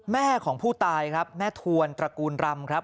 แม่ของผู้ตายครับแม่ทวนตระกูลรำครับ